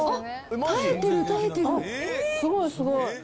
すごい、すごい。